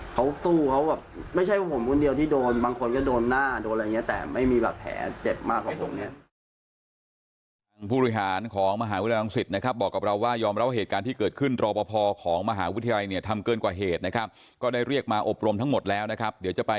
เขาสู้เขาแบบไม่ใช่เพราะผมคนเดียวที่โดนบางคนก็โดนหน้าโดนอะไรเงี้ย